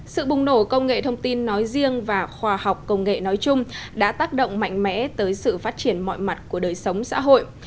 sự bùng nổ công nghệ thông tin nói riêng và khoa học công nghệ nói chung đã tác động mạnh mẽ tới sự phát triển mọi mặt của đời sống xã hội